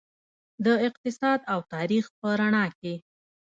د اقتصاد او تاریخ په رڼا کې.